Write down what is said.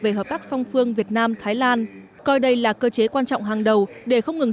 về hợp tác song phương việt nam thái lan coi đây là cơ chế quan trọng hàng đầu để không ngừng